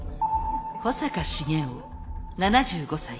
保坂重雄７５才。